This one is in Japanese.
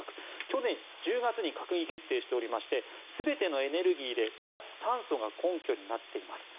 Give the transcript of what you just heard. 去年１０月に閣議決定しておりまして全てのエネルギーで脱炭素が根拠になっています。